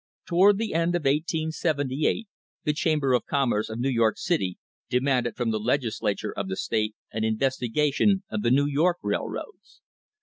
Toward the end of 1878 the Chamber of Commerce of New York City demanded from the Legislature of the state an investigation of the New York railroads.